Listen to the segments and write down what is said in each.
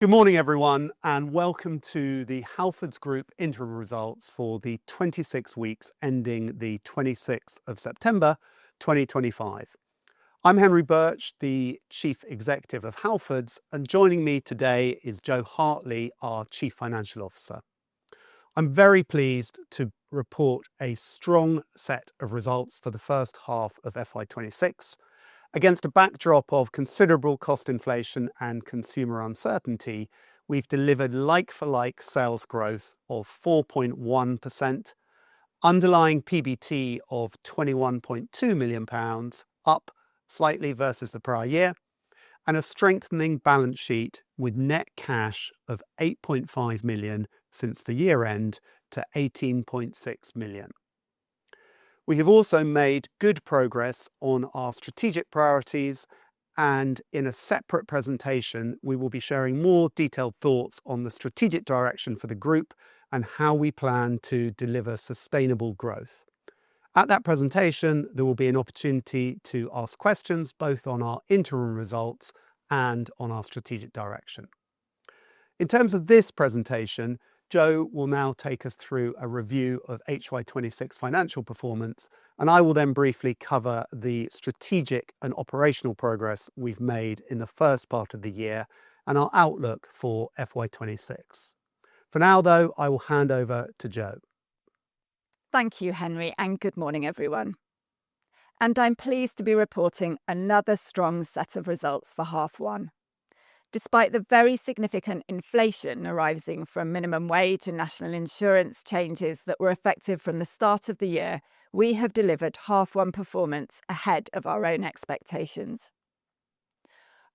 Good morning, everyone, and welcome to the Halfords Group interim results for the 26 weeks ending the 26th of September, 2025. I'm Henry Birch, the Chief Executive of Halfords, and joining me today is Jo Hartley, our Chief Financial Officer. I'm very pleased to report a strong set of results for the first half of FY 2026. Against a backdrop of considerable cost inflation and consumer uncertainty, we've delivered like-for-like sales growth of 4.1%, underlying PBT of 21.2 million pounds, up slightly versus the prior year, and a strengthening balance sheet with net cash of 8.5 million since the year-end to 18.6 million. We have also made good progress on our strategic priorities, and in a separate presentation, we will be sharing more detailed thoughts on the strategic direction for the group and how we plan to deliver sustainable growth. At that presentation, there will be an opportunity to ask questions both on our interim results and on our strategic direction. In terms of this presentation, Jo will now take us through a review of HY 2026 financial performance, and I will then briefly cover the strategic and operational progress we have made in the first part of the year and our outlook for FY 2026. For now, though, I will hand over to Jo. Thank you, Henry, and good morning, everyone. I am pleased to be reporting another strong set of results for half one. Despite the very significant inflation arising from minimum wage and national insurance changes that were effective from the start of the year, we have delivered half one performance ahead of our own expectations.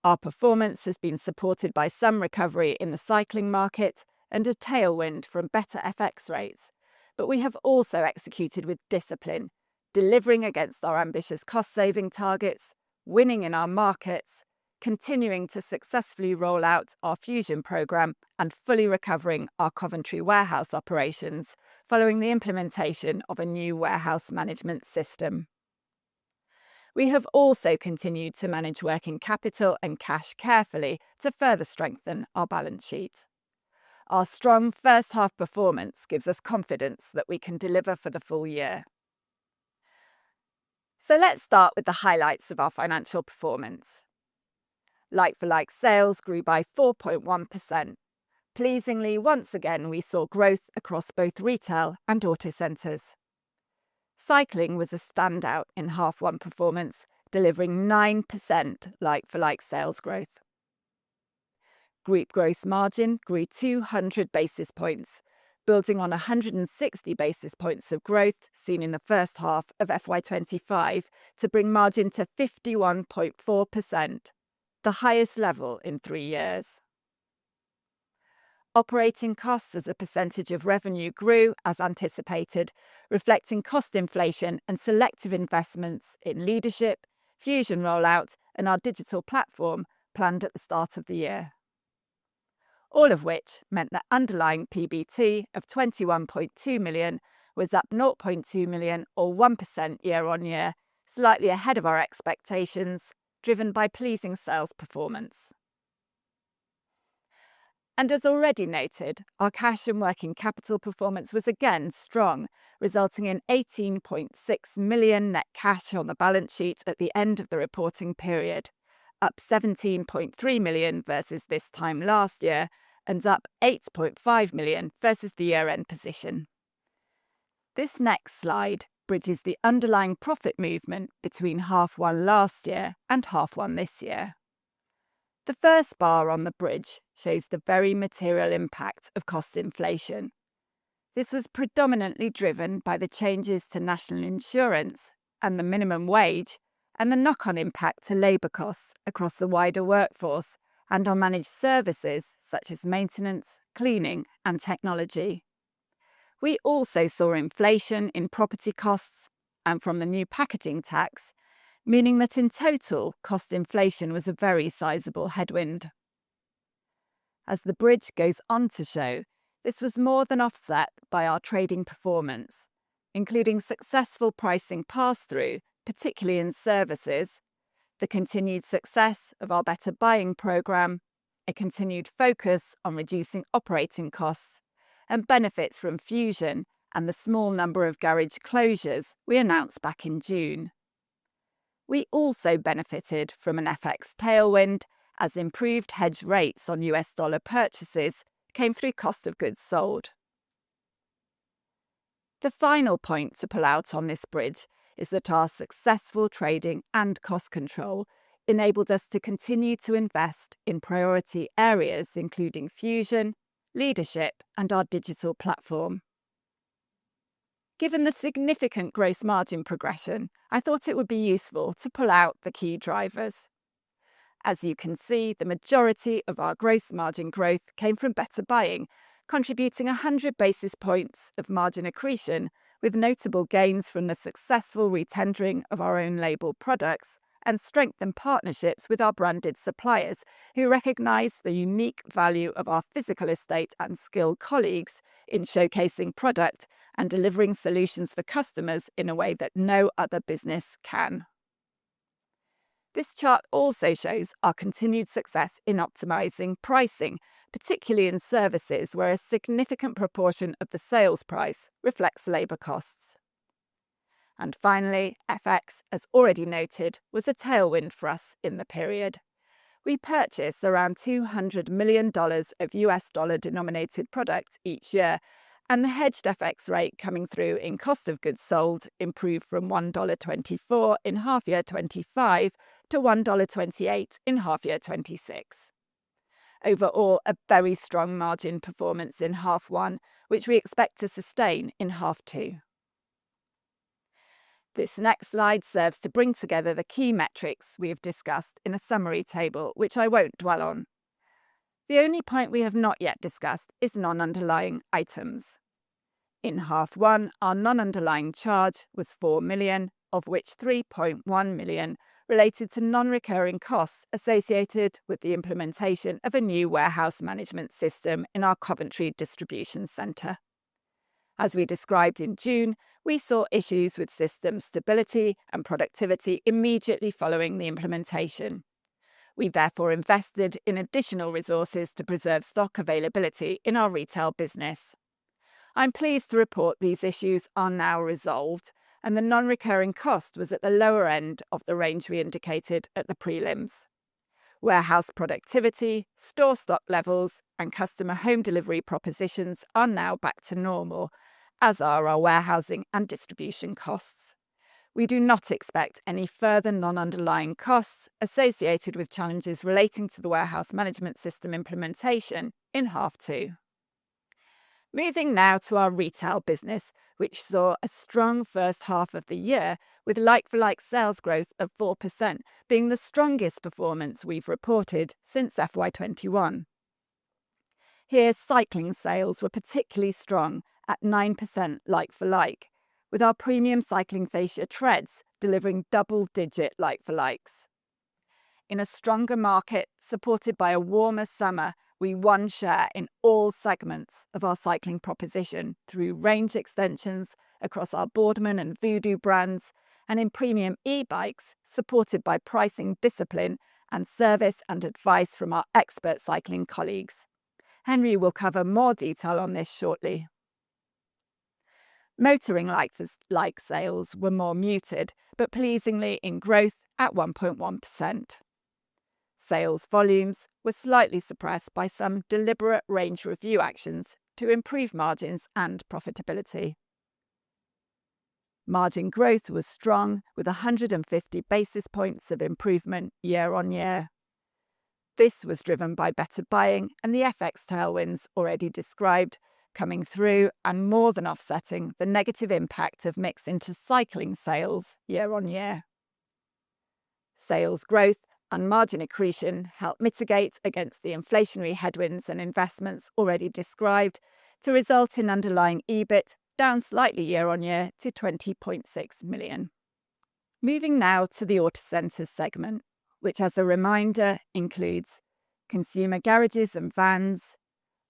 Our performance has been supported by some recovery in the cycling market and a tailwind from better FX rates, but we have also executed with discipline, delivering against our ambitious cost-saving targets, winning in our markets, continuing to successfully roll out our Fusion programme, and fully recovering our Coventry warehouse operations following the implementation of a new warehouse management system. We have also continued to manage working capital and cash carefully to further strengthen our balance sheet. Our strong first half performance gives us confidence that we can deliver for the full year. Let's start with the highlights of our financial performance. Like-for-like sales grew by 4.1%. Pleasingly, once again, we saw growth across both retail and Autocentres. Cycling was a standout in half one performance, delivering 9% like-for-like sales growth. Group gross margin grew 200 basis points, building on 160 basis points of growth seen in the first half of 2025 to bring margin to 51.4%, the highest level in three years. Operating costs as a percentage of revenue grew as anticipated, reflecting cost inflation and selective investments in leadership, Fusion rollout, and our digital platform planned at the start of the year. All of which meant that underlying PBT of 21.2 million was up 0.2 million, or 1% year-on-year, slightly ahead of our expectations, driven by pleasing sales performance. As already noted, our cash and working capital performance was again strong, resulting in 18.6 million net cash on the balance sheet at the end of the reporting period, up 17.3 million versus this time last year, and up 8.5 million versus the year-end position. This next slide bridges the underlying profit movement between half one last year and half one this year. The first bar on the bridge shows the very material impact of cost inflation. This was predominantly driven by the changes to national insurance and the minimum wage, and the knock-on impact to labor costs across the wider workforce and on managed services such as maintenance, cleaning, and technology. We also saw inflation in property costs and from the new packaging tax, meaning that in total, cost inflation was a very sizable headwind. As the bridge goes on to show, this was more than offset by our trading performance, including successful pricing pass-through, particularly in services, the continued success of our better buying program, a continued focus on reducing operating costs, and benefits from Fusion and the small number of garage closures we announced back in June. We also benefited from an FX tailwind as improved hedge rates on U.S. dollar purchases came through cost of goods sold. The final point to pull out on this bridge is that our successful trading and cost control enabled us to continue to invest in priority areas, including Fusion, leadership, and our digital platform. Given the significant gross margin progression, I thought it would be useful to pull out the key drivers. As you can see, the majority of our gross margin growth came from better buying, contributing 100 basis points of margin accretion, with notable gains from the successful re-tendering of our own label products and strengthened partnerships with our branded suppliers who recognize the unique value of our physical estate and skilled colleagues in showcasing product and delivering solutions for customers in a way that no other business can. This chart also shows our continued success in optimizing pricing, particularly in services where a significant proportion of the sales price reflects labor costs. FX, as already noted, was a tailwind for us in the period. We purchase around $200 million of U.S. dollar-denominated products each year, and the hedged FX rate coming through in cost of goods sold improved from $1.24 in half year 2025 to $1.28 in half year 2026. Overall, a very strong margin performance in half one, which we expect to sustain in half two. This next slide serves to bring together the key metrics we have discussed in a summary table, which I won't dwell on. The only point we have not yet discussed is non-underlying items. In half one, our non-underlying charge was 4 million, of which 3.1 million related to non-recurring costs associated with the implementation of a new warehouse management system in our Coventry distribution center. As we described in June, we saw issues with system stability and productivity immediately following the implementation. We therefore invested in additional resources to preserve stock availability in our retail business. I'm pleased to report these issues are now resolved, and the non-recurring cost was at the lower end of the range we indicated at the prelims. Warehouse productivity, store stock levels, and customer home delivery propositions are now back to normal, as are our warehousing and distribution costs. We do not expect any further non-underlying costs associated with challenges relating to the warehouse management system implementation in half two. Moving now to our retail business, which saw a strong first half of the year with like-for-like sales growth of 4% being the strongest performance we've reported since FY 2021. Here, cycling sales were particularly strong at 9% like-for-like, with our premium cycling Fascia Tredz delivering double-digit like-for-likes. In a stronger market supported by a warmer summer, we won share in all segments of our cycling proposition through range extensions across our Boardman and Voodoo brands, and in premium e-bikes supported by pricing discipline and service and advice from our expert cycling colleagues. Henry will cover more detail on this shortly. Motoring-like sales were more muted, but pleasingly in growth at 1.1%. Sales volumes were slightly suppressed by some deliberate range review actions to improve margins and profitability. Margin growth was strong, with 150 basis points of improvement year-on-year. This was driven by better buying and the FX tailwinds already described, coming through and more than offsetting the negative impact of mixed into cycling sales year-on-year. Sales growth and margin accretion helped mitigate against the inflationary headwinds and investments already described to result in underlying EBIT down slightly year-on-year to 20.6 million. Moving now to the auto center segment, which as a reminder includes consumer garages and vans,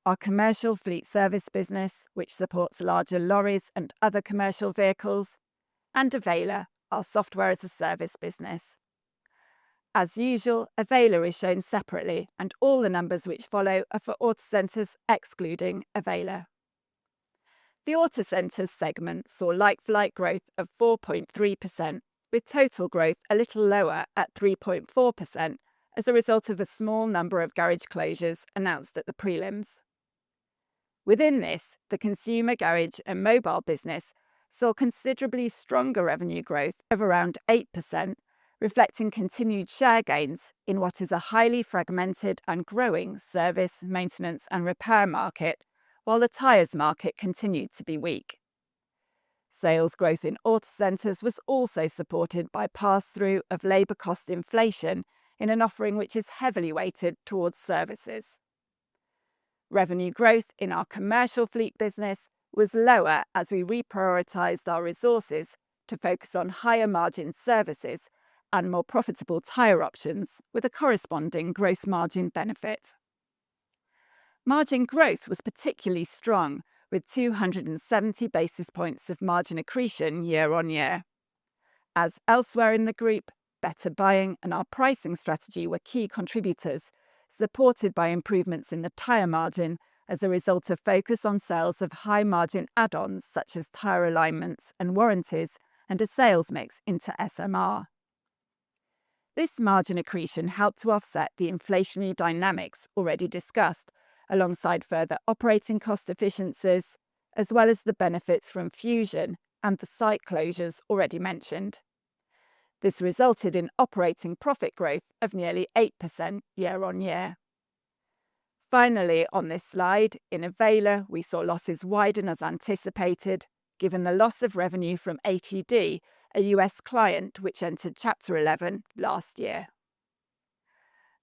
our commercial fleet service business, which supports larger lorries and other commercial vehicles, and Avayler, our software as a service business. As usual, Avayler is shown separately, and all the numbers which follow are for auto centers excluding Avayler. The auto center segment saw like-for-like growth of 4.3%, with total growth a little lower at 3.4% as a result of a small number of garage closures announced at the prelims. Within this, the consumer garage and mobile business saw considerably stronger revenue growth of around 8%, reflecting continued share gains in what is a highly fragmented and growing service, maintenance, and repair market, while the tires market continued to be weak. Sales growth in auto centers was also supported by pass-through of labor cost inflation in an offering which is heavily weighted towards services. Revenue growth in our commercial fleet business was lower as we reprioritized our resources to focus on higher margin services and more profitable tire options with a corresponding gross margin benefit. Margin growth was particularly strong, with 270 basis points of margin accretion year-on-year. As elsewhere in the group, better buying and our pricing strategy were key contributors, supported by improvements in the tire margin as a result of focus on sales of high-margin add-ons such as tire alignments and warranties and a sales mix into SMR. This margin accretion helped to offset the inflationary dynamics already discussed, alongside further operating cost efficiencies, as well as the benefits from Fusion and the site closures already mentioned. This resulted in operating profit growth of nearly 8% year-on-year. Finally, on this slide, in Avayler, we saw losses widen as anticipated, given the loss of revenue from ATD, a U.S. client which entered Chapter 11 last year.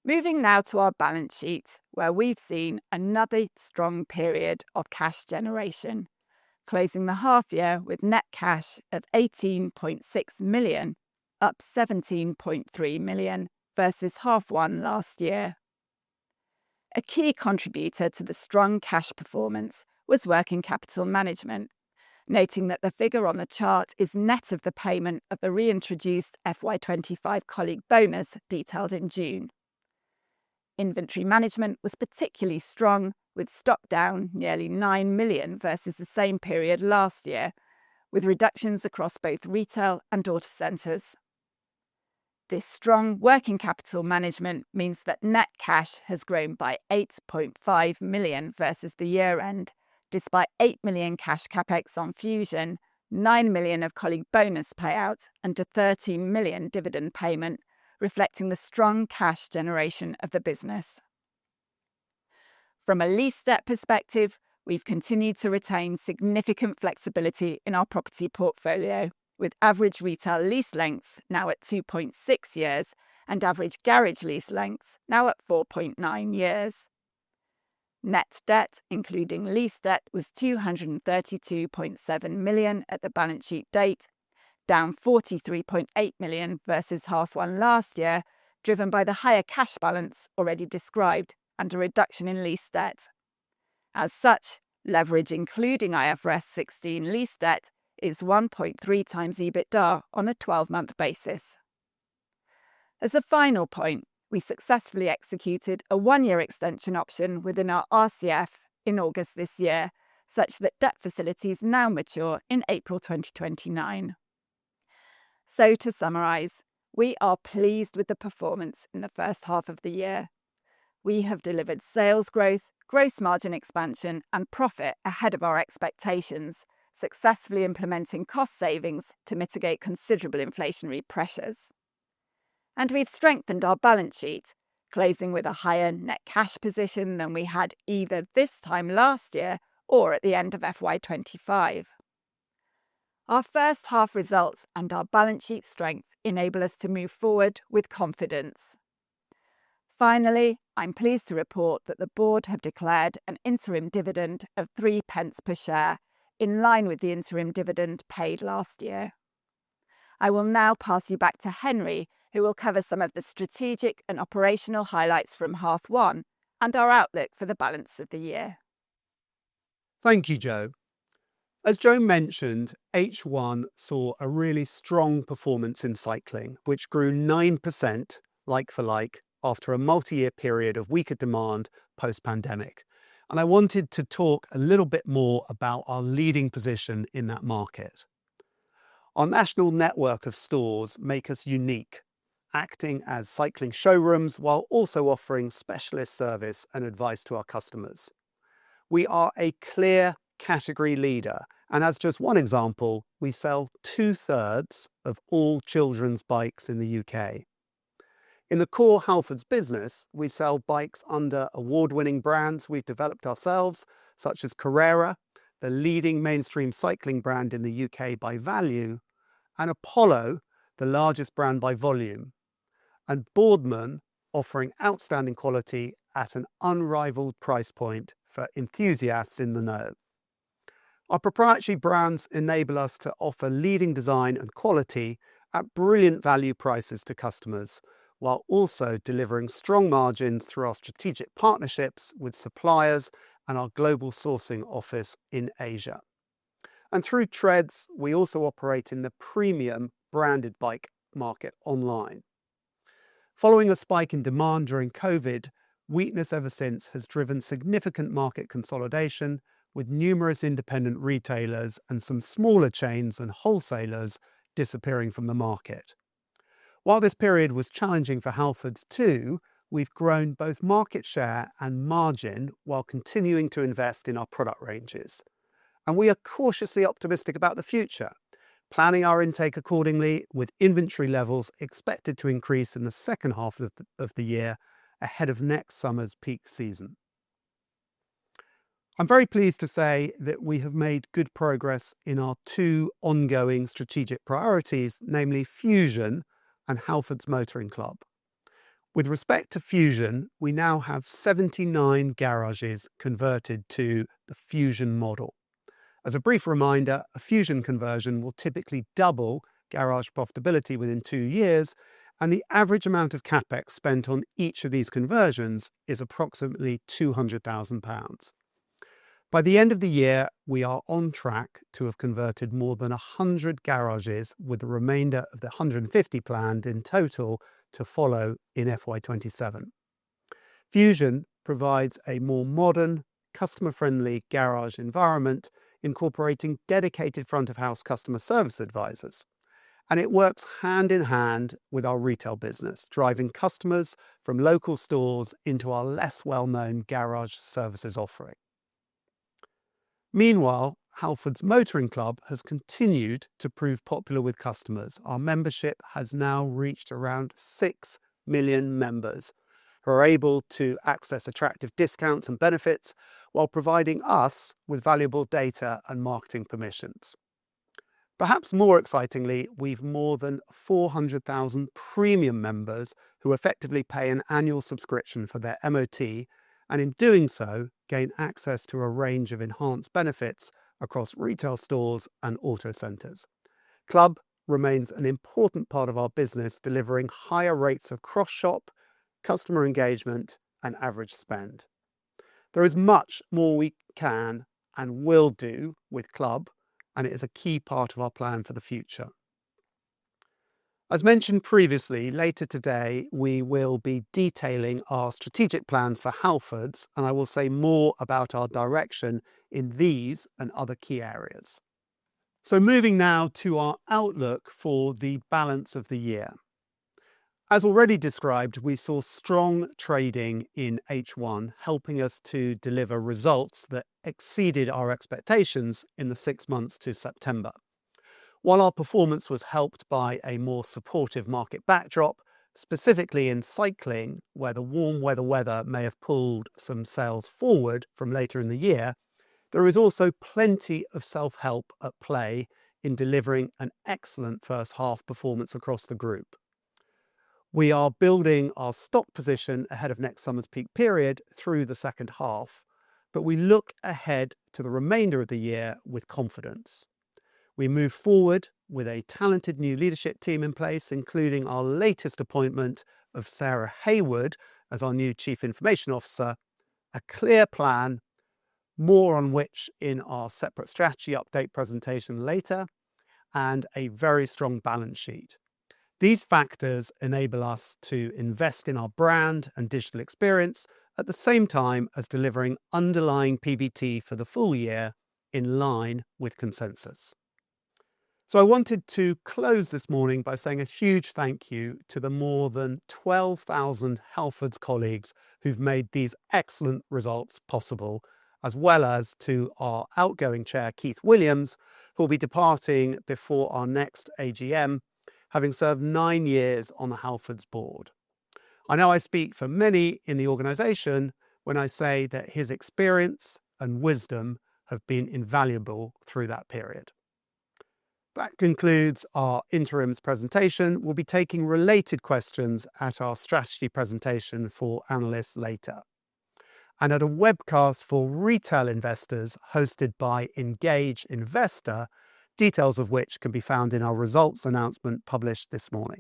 Moving now to our balance sheet, where we've seen another strong period of cash generation, closing the half year with net cash of 18.6 million, up 17.3 million versus half one last year. A key contributor to the strong cash performance was working capital management, noting that the figure on the chart is net of the payment of the reintroduced FY 2025 colleague bonus detailed in June. Inventory management was particularly strong, with stock down nearly 9 million versus the same period last year, with reductions across both retail and Autocentres. This strong working capital management means that net cash has grown by 8.5 million versus the year-end, despite 8 million cash CapEx on Fusion, 9 million of colleague bonus payouts, and a 13 million dividend payment, reflecting the strong cash generation of the business. From a lease debt perspective, we've continued to retain significant flexibility in our property portfolio, with average retail lease lengths now at 2.6 years and average garage lease lengths now at 4.9 years. Net debt, including lease debt, was 232.7 million at the balance sheet date, down 43.8 million versus half one last year, driven by the higher cash balance already described and a reduction in lease debt. As such, leverage, including IFRS 16 lease debt, is 1.3x EBITDA on a 12-month basis. As a final point, we successfully executed a one-year extension option within our RCF in August this year, such that debt facilities now mature in April 2029. To summarize, we are pleased with the performance in the first half of the year. We have delivered sales growth, gross margin expansion, and profit ahead of our expectations, successfully implementing cost savings to mitigate considerable inflationary pressures. We have strengthened our balance sheet, closing with a higher net cash position than we had either this time last year or at the end of FY 2025. Our first half results and our balance sheet strength enable us to move forward with confidence. Finally, I'm pleased to report that the board have declared an interim dividend of 0.03 per share, in line with the interim dividend paid last year. I will now pass you back to Henry, who will cover some of the strategic and operational highlights from half one and our outlook for the balance of the year. Thank you, Jo. As Jo mentioned, H1 saw a really strong performance in cycling, which grew 9% like-for-like after a multi-year period of weaker demand post-pandemic. I wanted to talk a little bit more about our leading position in that market. Our national network of stores makes us unique, acting as cycling showrooms while also offering specialist service and advice to our customers. We are a clear category leader, and as just one example, we sell two-thirds of all children's bikes in the U.K. In the core Halfords business, we sell bikes under award-winning brands we have developed ourselves, such as Carrera, the leading mainstream cycling brand in the U.K. by value, and Apollo, the largest brand by volume, and Boardman, offering outstanding quality at an unrivaled price point for enthusiasts in the know. Our proprietary brands enable us to offer leading design and quality at brilliant value prices to customers, while also delivering strong margins through our strategic partnerships with suppliers and our global sourcing office in Asia. Through Tredz, we also operate in the premium branded bike market online. Following a spike in demand during COVID, weakness ever since has driven significant market consolidation, with numerous independent retailers and some smaller chains and wholesalers disappearing from the market. While this period was challenging for Halfords too, we have grown both market share and margin while continuing to invest in our product ranges. We are cautiously optimistic about the future, planning our intake accordingly, with inventory levels expected to increase in the second half of the year ahead of next summer's peak season. I am very pleased to say that we have made good progress in our two ongoing strategic priorities, namely Fusion and Halfords Motoring Club. With respect to Fusion, we now have 79 garages converted to the Fusion model. As a brief reminder, a Fusion conversion will typically double garage profitability within two years, and the average amount of CapEx spent on each of these conversions is approximately 200,000 pounds. By the end of the year, we are on track to have converted more than 100 garages, with the remainder of the 150 planned in total to follow in FY 2027. Fusion provides a more modern, customer-friendly garage environment, incorporating dedicated front-of-house customer service advisors, and it works hand in hand with our retail business, driving customers from local stores into our less well-known garage services offering. Meanwhile, Halfords Motoring Club has continued to prove popular with customers. Our membership has now reached around 6 million members, who are able to access attractive discounts and benefits while providing us with valuable data and marketing permissions. Perhaps more excitingly, we have more than 400,000 premium members who effectively pay an annual subscription for their MOT, and in doing so, gain access to a range of enhanced benefits across retail stores and auto centers. Club remains an important part of our business, delivering higher rates of cross-shop, customer engagement, and average spend. There is much more we can and will do with Club, and it is a key part of our plan for the future. As mentioned previously, later today, we will be detailing our strategic plans for Halfords, and I will say more about our direction in these and other key areas. Moving now to our outlook for the balance of the year. As already described, we saw strong trading in H1, helping us to deliver results that exceeded our expectations in the six months to September. While our performance was helped by a more supportive market backdrop, specifically in cycling, where the warm weather may have pulled some sales forward from later in the year, there is also plenty of self-help at play in delivering an excellent first half performance across the group. We are building our stock position ahead of next summer's peak period through the second half, but we look ahead to the remainder of the year with confidence. We move forward with a talented new leadership team in place, including our latest appointment of Sarah Haywood as our new Chief Information Officer, a clear plan, more on which in our separate strategy update presentation later, and a very strong balance sheet. These factors enable us to invest in our brand and digital experience at the same time as delivering underlying PBT for the full year in line with consensus. I wanted to close this morning by saying a huge thank you to the more than 12,000 Halfords colleagues who've made these excellent results possible, as well as to our outgoing Chair, Keith Williams, who will be departing before our next AGM, having served nine years on the Halfords board. I know I speak for many in the organization when I say that his experience and wisdom have been invaluable through that period. That concludes our interim's presentation. We'll be taking related questions at our strategy presentation for analysts later. At a webcast for retail investors hosted by Engage Investor, details of which can be found in our results announcement published this morning.